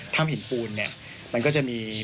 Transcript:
ถ้ำหินปูนเนี่ย